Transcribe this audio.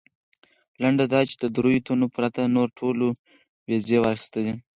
لنډه دا چې د درېیو تنو پرته نورو ټولو ویزې واخیستلې.